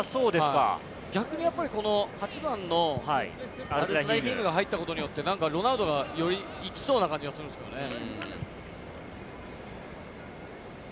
逆に８番のアルスライヒームが入ったことによって、ロナウドがよりいきそうな感じがするんですよね。